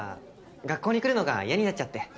学校に来るのが嫌になっちゃって。